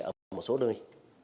ở một số nơi